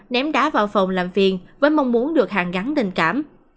ném đá vào phòng làm phiền với mong muốn được hàn gắn tình cảm